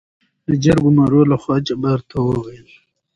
دجرګمارو لخوا جبار ته وويل: